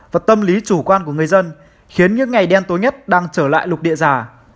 và tâm lý chủ quan của người dân khiến những ngày đen tối nhất đang trở lại lục địa già